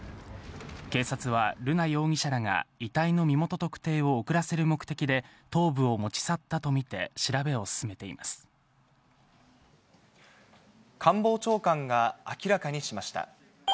警察は瑠奈容疑者らが遺体の身元特定を遅らせる目的で頭部を持ち官房長官が明らかにしました。